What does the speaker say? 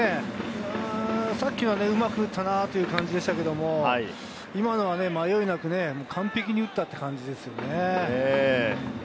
さっきのはうまく打ったなという感じでしたけれど、今のは迷いなく、完璧に打ったっていう感じですよね。